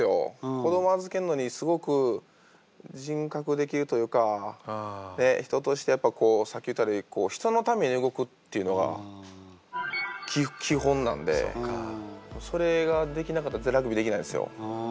子ども預けるのにすごく人格できるというか人としてやっぱこうさっき言うたように人のために動くっていうのが基本なんでそれができなかったらラグビーできないんすよ。